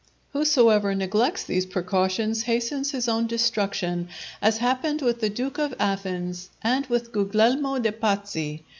Whosoever neglects these precautions hastens his own destruction, as happened with the Duke of Athens, and with Guglielmo de' Pazzi.